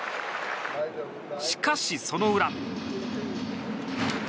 しかし、その裏。